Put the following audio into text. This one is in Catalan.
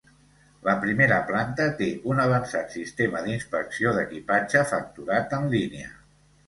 La primera planta té un avançat sistema d'inspecció d'equipatge facturat en línia.